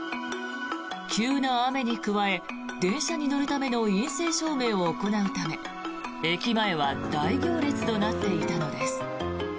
急な雨に加え電車に乗るための陰性証明を行うため駅前は大行列となっていたのです。